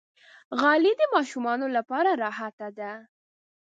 غالۍ د ماشومانو لپاره راحته ده.